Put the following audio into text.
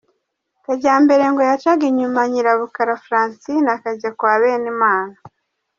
Kajyambere ngo yacaga inyuma Nyirabukara Francine akajya kwa Benimana.